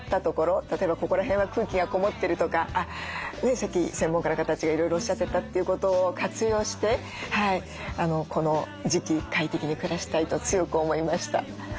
例えばここら辺は空気がこもってるとかさっき専門家の方たちがいろいろおっしゃってたということを活用してこの時期快適に暮らしたいと強く思いました。